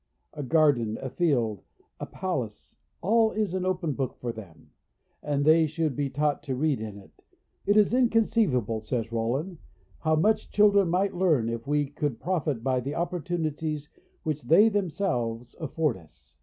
A garden, a field, a palace, all is an open book for them; and they should be taught to read in it. "It is inconceivable," says Rollin, "how much children, might learn if we could profit by the opportunities which they themselves affWd us."